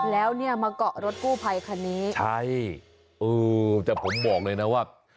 แล้วเนี่ยมาเกาะรถกู้ภัยคันนี้ใช่เออแต่ผมบอกเลยนะว่า